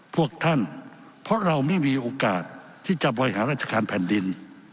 พวกท่านเพราะเราไม่มีโอกาสที่จะบริหารราชการแผ่นดิน